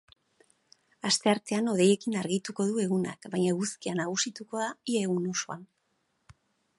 Asteartean hodeiekin argituko du egunak, baina eguzkia nagusituko da ia egun osoan.